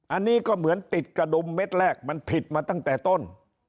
อันนี้ก็เหมือนติดกระดุมเม็ดแรกมันผิดมาตั้งแต่ต้น